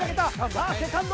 さあセカンド。